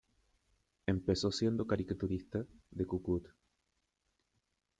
Empezó siendo caricaturista de "¡Cu-Cut!